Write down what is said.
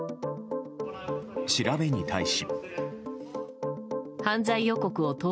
調べに対し。